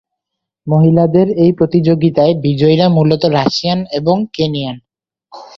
মহিলাদের এই প্রতিযোগিতায় বিজয়ীরা মূলত রাশিয়ান এবং কেনিয়ান।